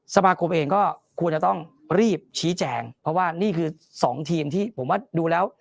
สมาคมเองก็ควรจะต้องรีบชี้แจงเพราะว่านี่คือ๒ทีมที่ผมว่าดูแล้ว